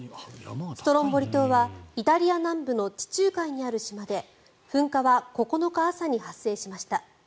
ストロンボリ島はイタリア南部の地中海にある島で噴火は９日朝に発生しました。